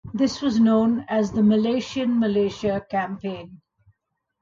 This was known as the 'Malaysian Malaysia' campaign.